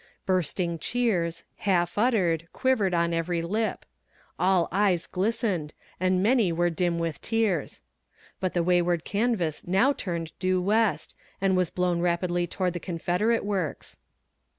Bursting cheers, half uttered, quivered on every lip. All eyes glistened, and many were dim with tears. But the wayward canvas now turned due west, and was blown rapidly toward the confederate works.